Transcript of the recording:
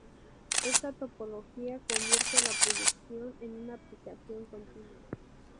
Esta topología convierte a la proyección en una aplicación continua.